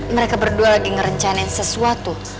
mereka berdua lagi ngerencanin sesuatu